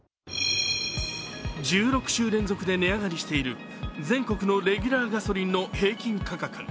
１６週連続で値上がりしている全国のレギュラーガソリンの平均価格。